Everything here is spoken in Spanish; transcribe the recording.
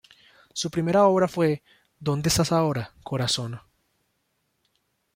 Su primera obra fue "¿Dónde estás ahora, corazón?".